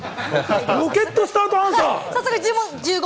ロケット・スタート・アンサー。